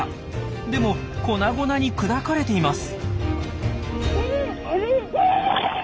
でも粉々に砕かれています。